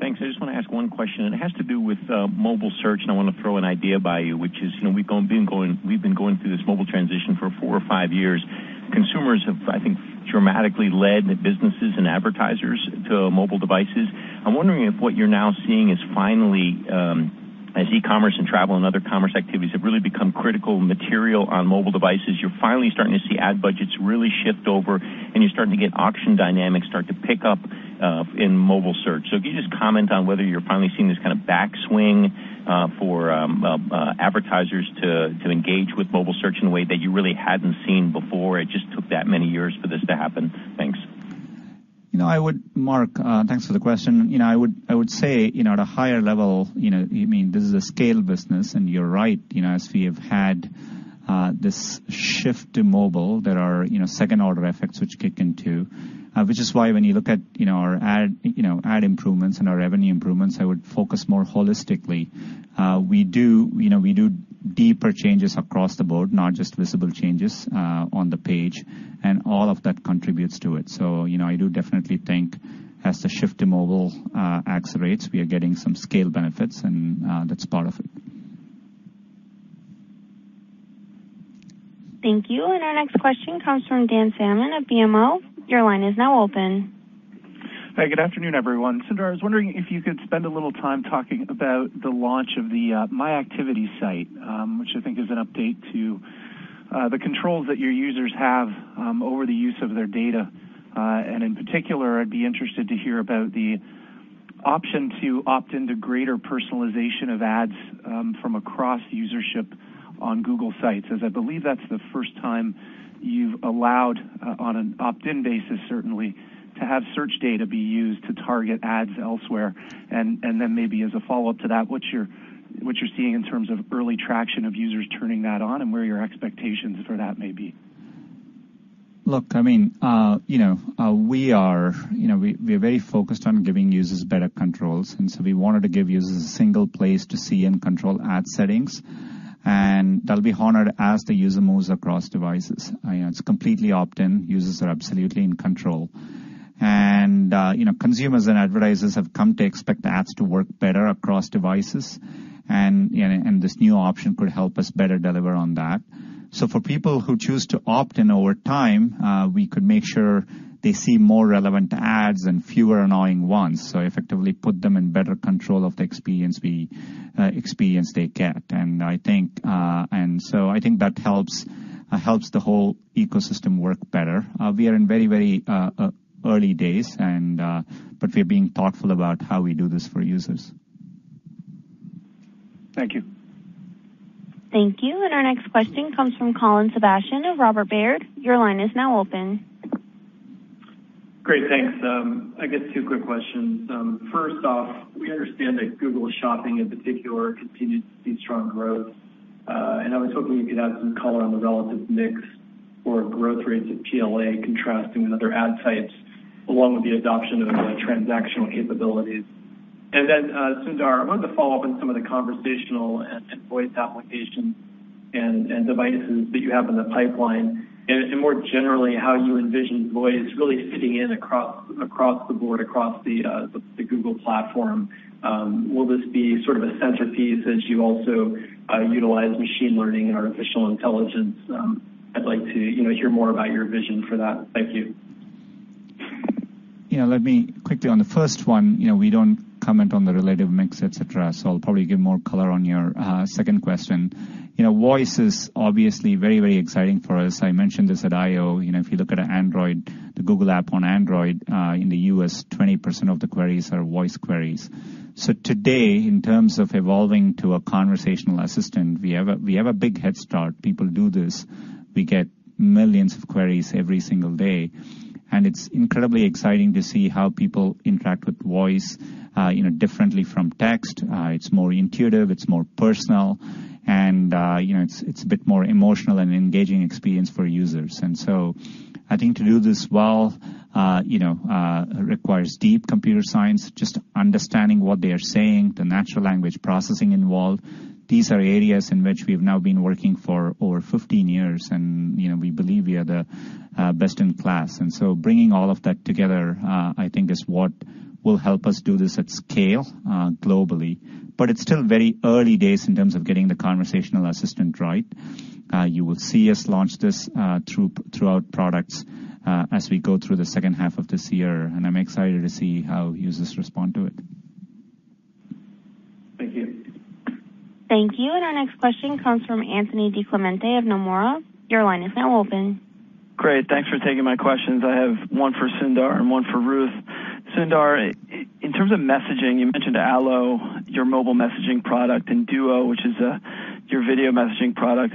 Thanks. I just want to ask one question. And it has to do with mobile search, and I want to throw an idea by you, which is we've been going through this mobile transition for four or five years. Consumers have, I think, dramatically led businesses and advertisers to mobile devices. I'm wondering if what you're now seeing is finally, as e-commerce and travel and other commerce activities have really become critical material on mobile devices, you're finally starting to see ad budgets really shift over, and you're starting to get auction dynamics start to pick up in mobile search. So can you just comment on whether you're finally seeing this kind of backswing for advertisers to engage with mobile search in a way that you really hadn't seen before? It just took that many years for this to happen. Thanks. I would, Mark, thanks for the question. I would say at a higher level, I mean, this is a scale business, and you're right. As we have had this shift to mobile, there are second-order effects which kick into, which is why when you look at our ad improvements and our revenue improvements, I would focus more holistically. We do deeper changes across the board, not just visible changes on the page, and all of that contributes to it. So I do definitely think as the shift to mobile accelerates, we are getting some scale benefits, and that's part of it. Thank you. And our next question comes from Dan Salmon of BMO. Your line is now open. Hi. Good afternoon, everyone. Sundar, I was wondering if you could spend a little time talking about the launch of the My Activity site, which I think is an update to the controls that your users have over the use of their data. And in particular, I'd be interested to hear about the option to opt into greater personalization of ads from across our services on Google sites, as I believe that's the first time you've allowed, on an opt-in basis, certainly, to have search data be used to target ads elsewhere. And then maybe as a follow-up to that, what you're seeing in terms of early traction of users turning that on and where your expectations for that may be? Look, I mean, we are very focused on giving users better controls. And so we wanted to give users a single place to see and control ad settings. And they'll be honored as the user moves across devices. It's completely opt-in. Users are absolutely in control. And consumers and advertisers have come to expect ads to work better across devices. And this new option could help us better deliver on that. So for people who choose to opt-in over time, we could make sure they see more relevant ads and fewer annoying ones, so effectively put them in better control of the experience they get. And so I think that helps the whole ecosystem work better. We are in very, very early days, but we're being thoughtful about how we do this for users. Thank you. Thank you. And our next question comes from Colin Sebastian of Robert Baird. Your line is now open. Great. Thanks. I guess two quick questions. First off, we understand that Google Shopping in particular continues to see strong growth. And I was hoping you could add some color on the relative mix for growth rates at PLA contrasting with other ad types, along with the adoption of transactional capabilities. And then, Sundar, I wanted to follow up on some of the conversational and voice applications and devices that you have in the pipeline and more generally how you envision voice really fitting in across the board, across the Google platform. Will this be sort of a centerpiece as you also utilize machine learning and artificial intelligence? I'd like to hear more about your vision for that. Thank you. Yeah. Let me quickly on the first one. We don't comment on the relative mix, etc., so I'll probably give more color on your second question. Voice is obviously very, very exciting for us. I mentioned this at I/O. If you look at the Google app on Android, in the U.S., 20% of the queries are voice queries. So today, in terms of evolving to a conversational assistant, we have a big head start. People do this. We get millions of queries every single day, and it's incredibly exciting to see how people interact with voice differently from text. It's more intuitive. It's more personal, and it's a bit more emotional and engaging experience for users, so I think to do this well requires deep computer science, just understanding what they are saying, the natural language processing involved. These are areas in which we have now been working for over 15 years, and we believe we are the best in class, and so bringing all of that together, I think, is what will help us do this at scale globally, but it's still very early days in terms of getting the conversational assistant right. You will see us launch this throughout products as we go through the second half of this year, and I'm excited to see how users respond to it. Thank you. Thank you. Our next question comes from Anthony DiClemente of Nomura. Your line is now open. Great. Thanks for taking my questions. I have one for Sundar and one for Ruth. Sundar, in terms of messaging, you mentioned Allo, your mobile messaging product, and Duo, which is your video messaging product.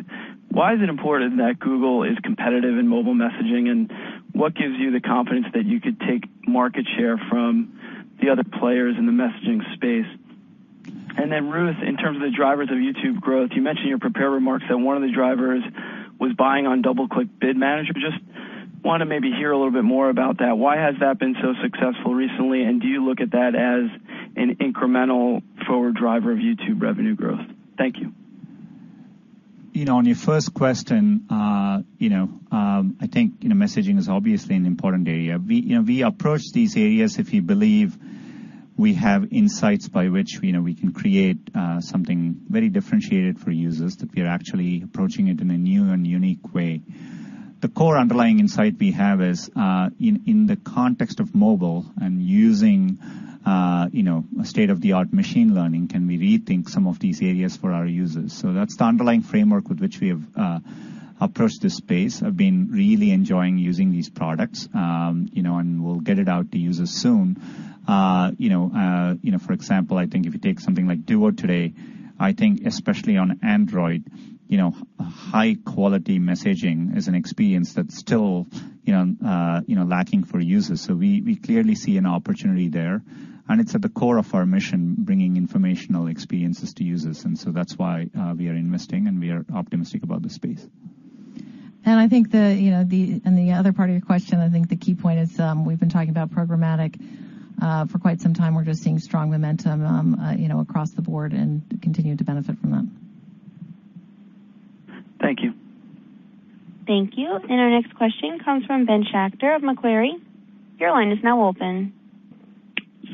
Why is it important that Google is competitive in mobile messaging, and what gives you the confidence that you could take market share from the other players in the messaging space? And then Ruth, in terms of the drivers of YouTube growth, you mentioned in your prepared remarks that one of the drivers was buying on DoubleClick Bid Manager. Just want to maybe hear a little bit more about that. Why has that been so successful recently, and do you look at that as an incremental forward driver of YouTube revenue growth? Thank you. On your first question, I think messaging is obviously an important area. We approach these areas if we believe we have insights by which we can create something very differentiated for users, that we are actually approaching it in a new and unique way. The core underlying insight we have is, in the context of mobile and using state-of-the-art machine learning, can we rethink some of these areas for our users? So that's the underlying framework with which we have approached this space. I've been really enjoying using these products, and we'll get it out to users soon. For example, I think if you take something like Duo today, I think, especially on Android, high-quality messaging is an experience that's still lacking for users. So we clearly see an opportunity there, and it's at the core of our mission, bringing informational experiences to users. So that's why we are investing, and we are optimistic about the space. I think in the other part of your question, I think the key point is we've been talking about programmatic for quite some time. We're just seeing strong momentum across the board and continue to benefit from that. Thank you. Thank you. Our next question comes from Ben Schachter of Macquarie. Your line is now open.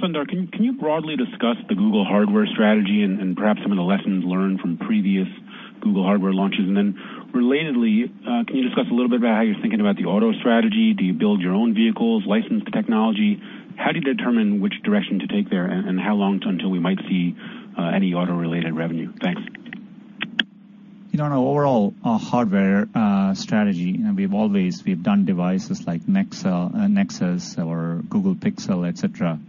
Sundar, can you broadly discuss the Google hardware strategy and perhaps some of the lessons learned from previous Google hardware launches? And then relatedly, can you discuss a little bit about how you're thinking about the auto strategy? Do you build your own vehicles, license the technology? How do you determine which direction to take there and how long until we might see any auto-related revenue? Thanks. On our overall hardware strategy, we've done devices like Nexus or Google Pixel, etc.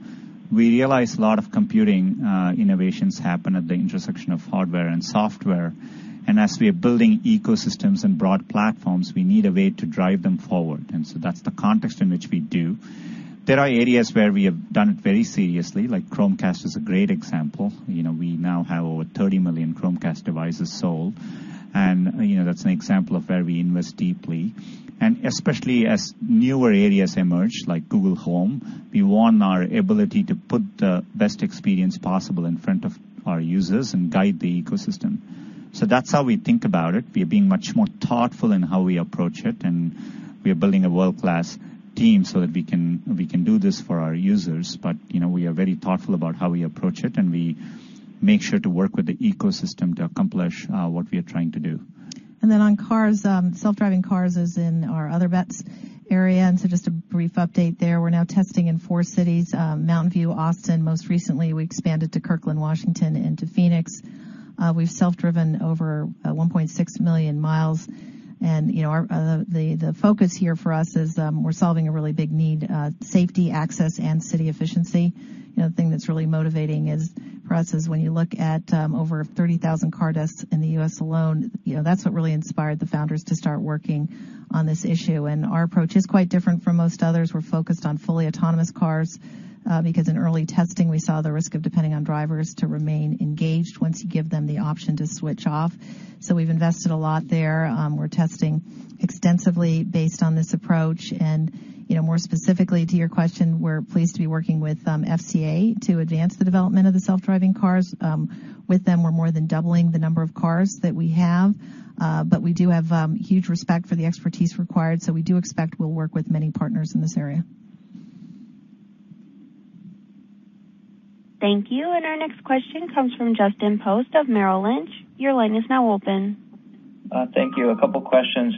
We realize a lot of computing innovations happen at the intersection of hardware and software, and as we are building ecosystems and broad platforms, we need a way to drive them forward, and so that's the context in which we do. There are areas where we have done it very seriously, like Chromecast is a great example. We now have over 30 million Chromecast devices sold, and that's an example of where we invest deeply, and especially as newer areas emerge, like Google Home, we want our ability to put the best experience possible in front of our users and guide the ecosystem, so that's how we think about it. We are being much more thoughtful in how we approach it. We are building a world-class team so that we can do this for our users. But we are very thoughtful about how we approach it, and we make sure to work with the ecosystem to accomplish what we are trying to do. And then on cars, self-driving cars is in our Other Bets area. And so just a brief update there. We're now testing in four cities: Mountain View, Austin. Most recently, we expanded to Kirkland, Washington, and to Phoenix. We've self-driven over 1.6 million mi. And the focus here for us is we're solving a really big need: safety, access, and city efficiency. The thing that's really motivating for us is when you look at over 30,000 car deaths in the U.S. alone, that's what really inspired the founders to start working on this issue. And our approach is quite different from most others. We're focused on fully autonomous cars because in early testing, we saw the risk of depending on drivers to remain engaged once you give them the option to switch off. So we've invested a lot there. We're testing extensively based on this approach. And more specifically to your question, we're pleased to be working with FCA to advance the development of the self-driving cars. With them, we're more than doubling the number of cars that we have. But we do have huge respect for the expertise required. So we do expect we'll work with many partners in this area. Thank you. And our next question comes from Justin Post of Merrill Lynch. Your line is now open. Thank you. A couple of questions.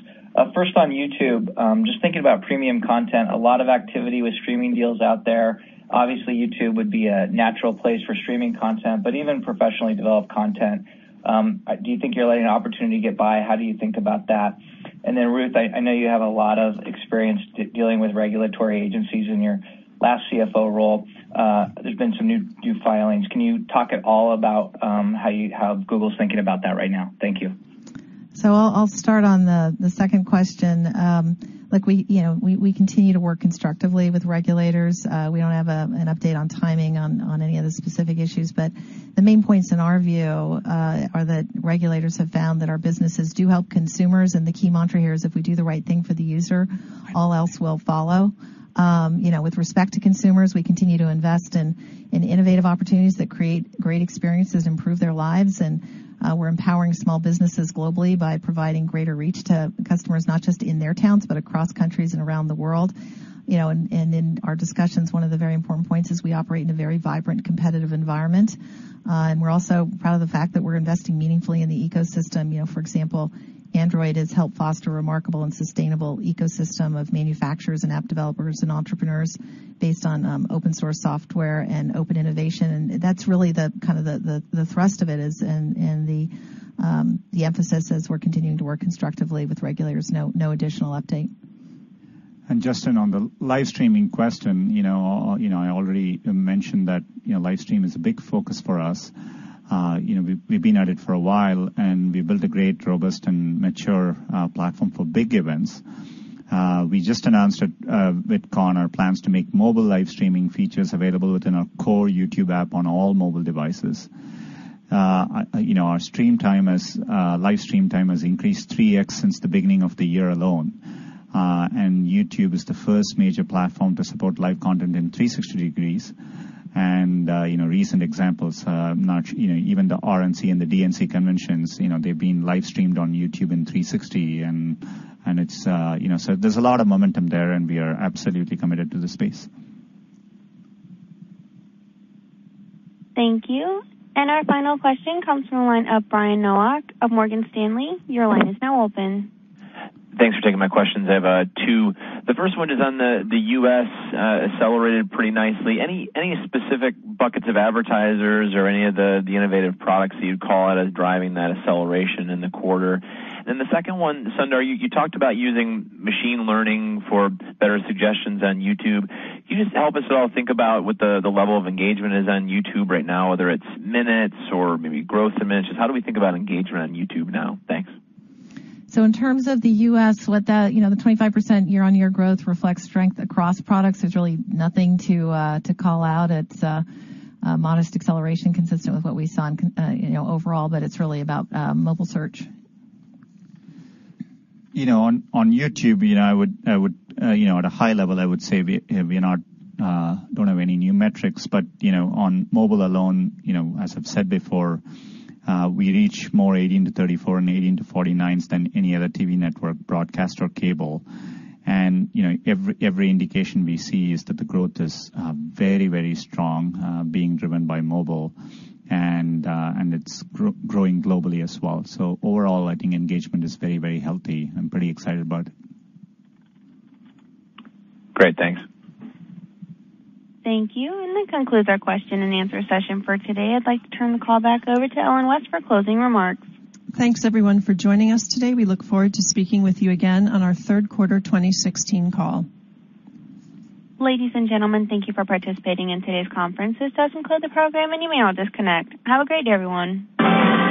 First, on YouTube, just thinking about premium content, a lot of activity with streaming deals out there. Obviously, YouTube would be a natural place for streaming content, but even professionally developed content. Do you think you're letting an opportunity get by? How do you think about that? And then, Ruth, I know you have a lot of experience dealing with regulatory agencies in your last CFO role. There's been some new filings. Can you talk at all about how Google's thinking about that right now? Thank you. So I'll start on the second question. Look, we continue to work constructively with regulators. We don't have an update on timing on any of the specific issues. But the main points in our view are that regulators have found that our businesses do help consumers. And the key mantra here is if we do the right thing for the user, all else will follow. With respect to consumers, we continue to invest in innovative opportunities that create great experiences and improve their lives. And we're empowering small businesses globally by providing greater reach to customers, not just in their towns, but across countries and around the world. And in our discussions, one of the very important points is we operate in a very vibrant, competitive environment. And we're also proud of the fact that we're investing meaningfully in the ecosystem. For example, Android has helped foster a remarkable and sustainable ecosystem of manufacturers and app developers and entrepreneurs based on open-source software and open innovation. And that's really kind of the thrust of it and the emphasis as we're continuing to work constructively with regulators. No additional update. And Justin, on the live streaming question, I already mentioned that live stream is a big focus for us. We've been at it for a while, and we've built a great, robust, and mature platform for big events. We just announced at VidCon our plans to make mobile live streaming features available within our core YouTube app on all mobile devices. Our live stream time has increased 3x since the beginning of the year alone. And YouTube is the first major platform to support live content in 360 degrees. And recent examples, even the RNC and the DNC conventions, they've been live streamed on YouTube in 360. And so there's a lot of momentum there, and we are absolutely committed to the space. Thank you. And our final question comes from Brian Nowak of Morgan Stanley. Your line is now open. Thanks for taking my questions. I have two. The first one is on the U.S. accelerated pretty nicely. Any specific buckets of advertisers or any of the innovative products that you'd call it as driving that acceleration in the quarter? And then the second one, Sundar, you talked about using machine learning for better suggestions on YouTube. Can you just help us all think about what the level of engagement is on YouTube right now, whether it's minutes or maybe growth in minutes? Just how do we think about engagement on YouTube now? Thanks. So in terms of the U.S., the 25% YoY growth reflects strength across products. There's really nothing to call out. It's a modest acceleration consistent with what we saw overall, but it's really about mobile search. On YouTube, at a high level, I would say we don't have any new metrics. But on mobile alone, as I've said before, we reach more 18 to 34 and 18 to 49s than any other TV network, broadcast, or cable. And every indication we see is that the growth is very, very strong, being driven by mobile. And it's growing globally as well. So overall, I think engagement is very, very healthy. I'm pretty excited about it. Great. Thanks. Thank you. And that concludes our question and answer session for today. I'd like to turn the call back over to Ellen West for closing remarks. Thanks, everyone, for joining us today. We look forward to speaking with you again on our Third Quarter 2016 Call. Ladies and gentlemen, thank you for participating in today's conference. This does conclude the program, and you may all disconnect. Have a great day, everyone.